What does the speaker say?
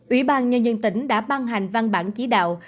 ubnd tỉnh đã ban hành văn bản chỉ đạo